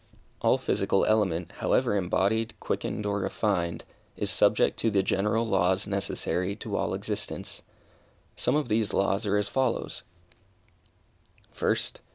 All physical element, however embodied, quickened, or refined, is subject to the general laws necessary to all existence. Some of these laws are as follows First.